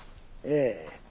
ええ。